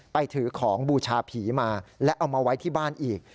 ถือของบูชาผีมาและเอามาไว้ที่บ้านอีก